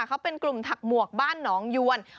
เขาเป็นกลุ่มถักหมวกบ้านหนองยวน